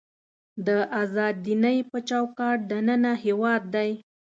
د ازاد دینۍ په چوکاټ دننه هېواد دی.